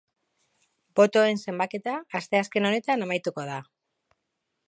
Botoen zenbaketa asteazken honetan amaitu da.